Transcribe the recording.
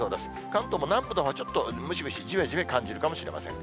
関東の南部のほうはちょっとムシムシ、じめじめ感じるかもしれません。